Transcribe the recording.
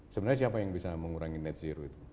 sebenarnya siapa yang bisa mengurangi net zero itu